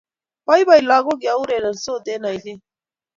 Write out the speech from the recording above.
Boiboi lagok ya urerensot eng' oinet